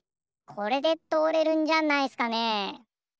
これでとおれるんじゃないっすかね。